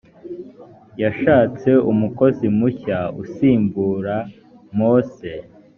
yashatse umukozi mushya usimbura mose